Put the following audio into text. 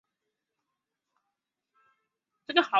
开始了追随忽必烈建功立业的政治生涯。